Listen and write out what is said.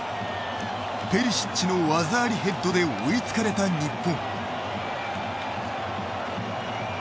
ペリシッチの技ありヘッドで追いつかれた日本。